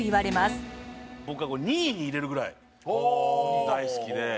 僕はこれ２位に入れるぐらい大好きで。